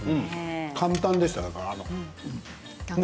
簡単でしたよ。